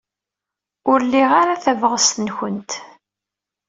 Ur liɣ ara tabɣest-nwent.